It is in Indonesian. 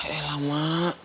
eh lah ma